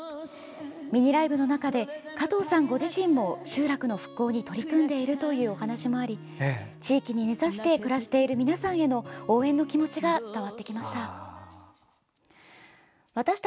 ミニライブの中で加藤さんご自身も集落の復興に取り組んでいるというお話もあり地域に根ざして暮らしている皆さんへの応援の気持ちが伝わってきました。